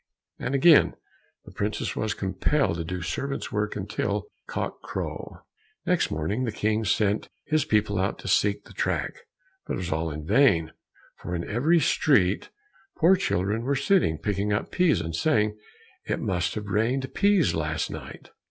And again the princess was compelled to do servant's work until cock crow. Next morning the King sent his people out to seek the track, but it was all in vain, for in every street poor children were sitting, picking up peas, and saying, "It must have rained peas, last night."